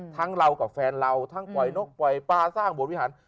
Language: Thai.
เรากับแฟนเราทั้งปล่อยนกปล่อยปลาสร้างบทวิหาร